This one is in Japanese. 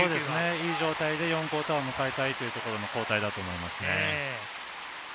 いい状態で４クオーターを迎えたいというところでの交代だと思います。